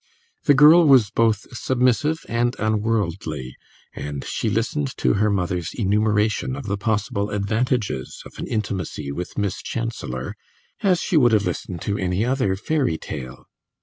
The girl was both submissive and unworldly, and she listened to her mother's enumeration of the possible advantages of an intimacy with Miss Chancellor as she would have listened to any other fairy tale.